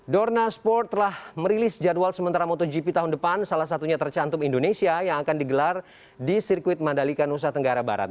dorna sport telah merilis jadwal sementara motogp tahun depan salah satunya tercantum indonesia yang akan digelar di sirkuit mandalika nusa tenggara barat